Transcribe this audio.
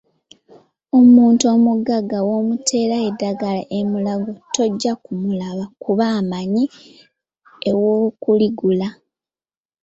Omuntu omugagga bw'omuteera eddagala e Mulago tojja kumulaba kuba amanyi ewokuligula.